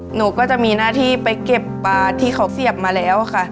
หนูก็จะมีหน้าที่ไปเก็บปลาที่เขาเสียบมาแล้วค่ะ